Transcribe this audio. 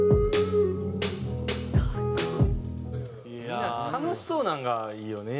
みんな楽しそうなんがいいよね。